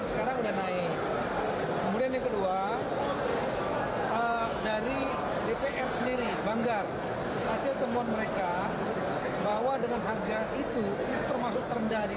sehingga perlu dinaikkan karena daya beli masyarakat juga mulai meningkat